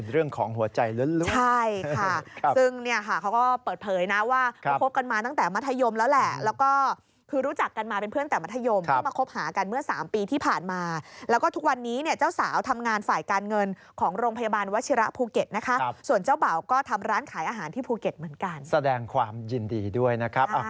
เรื่องของหัวใจละลุ้งครับ